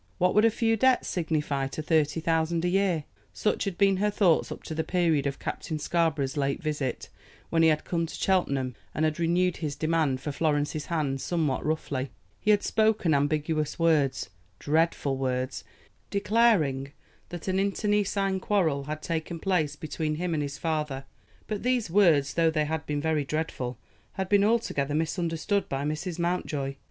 What would a few debts signify to thirty thousand a year? Such had been her thoughts up to the period of Captain Scarborough's late visit, when he had come to Cheltenham, and had renewed his demand for Florence's hand somewhat roughly. He had spoken ambiguous words, dreadful words, declaring that an internecine quarrel had taken place between him and his father; but these words, though they had been very dreadful, had been altogether misunderstood by Mrs. Mountjoy.